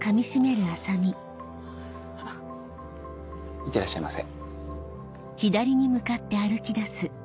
いってらっしゃいませ。